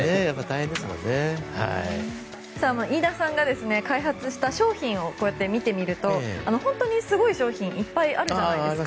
飯田さんが開発した商品を見てみると本当にすごい商品がいっぱいあるじゃないですか。